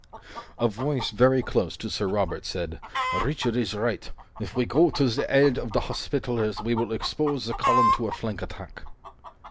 A voice very close to Sir Robert said: "Richard is right. If we go to the aid of the Hospitallers, we will expose the column to a flank attack."